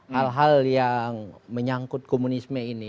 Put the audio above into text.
hal hal yang menyangkut komunisme ini